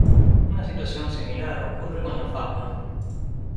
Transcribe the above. Una situación similar ocurre con la fauna.